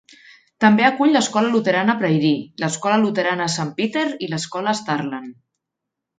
També acull l'escola luterana Prairie, l'escola luterana Sant Peter i l'escola Starland.